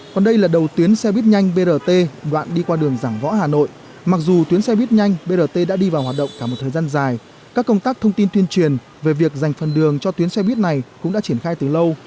còn đây là đầu tuyến xe buýt nhanh brt đoạn đi qua đường giảng võ hà nội mặc dù tuyến xe buýt nhanh brt đã đi vào hoạt động cả một thời gian dài các công tác thông tin tuyên truyền về việc dành phần đường cho tuyến xe buýt này cũng đã triển khai từ lâu